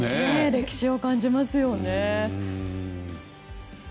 歴史を感じますね。